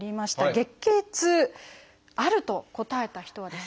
月経痛「ある」と答えた人はですね